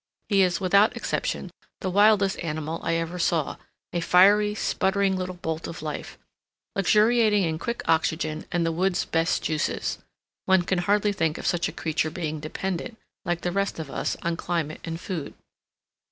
He is, without exception, the wildest animal I ever saw,—a fiery, sputtering little bolt of life, luxuriating in quick oxygen and the woods' best juices. One can hardly think of such a creature being dependent, like the rest of us, on climate and food.